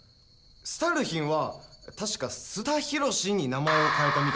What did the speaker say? スタルヒンは確か須田博に名前を変えたみたいだぞ。